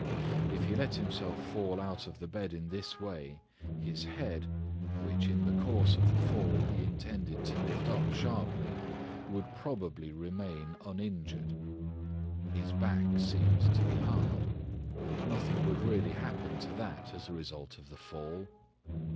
If he let himself fall out of the bed in this way, his head, which in the course of the fall he intended to lift up sharply, would probably remain uninjured. His back seemed to be hard; nothing would really happen to that as a result of the fall.